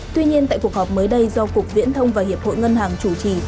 tuy nhiên tại cuộc họp mới đây do cục viễn thông và hiệp hội ngân hàng chủ trì